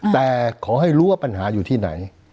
แต่ขอให้รู้ว่าปัญหาอยู่ที่ไหน